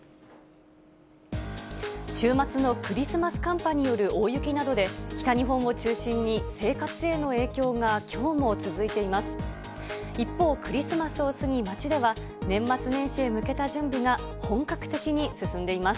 週末のクリスマス寒波による大雪などで、北日本を中心に生活への影響がきょうも続いています。